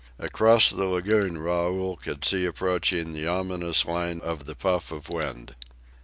Across the lagoon Raoul could see approaching the ominous line of the puff of wind.